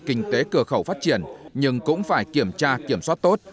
kinh tế cửa khẩu phát triển nhưng cũng phải kiểm tra kiểm soát tốt